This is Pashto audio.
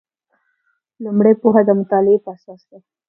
لومړۍ پوهه د مطالعې په اساس ده.